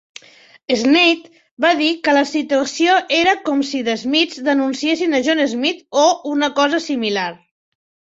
Snaith va dir que la situació era "com si The Smiths denunciessin John Smith o una cosa similar".